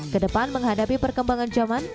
kedepan menghadapi perkembangan zaman